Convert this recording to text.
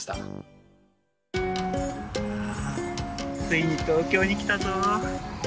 ついに東京に来たぞぉ。